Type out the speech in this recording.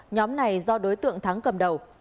nhóm này do đối tượng thắng cầm đầu